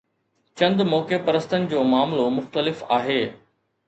چند موقعي پرستن جو معاملو مختلف آهي.